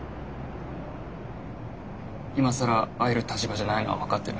今更会える立場じゃないのは分かってる。